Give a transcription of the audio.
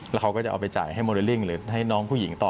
แล้วเขาก็จะเอาไปจ่ายให้โมเดลลิ่งหรือให้น้องผู้หญิงต่อ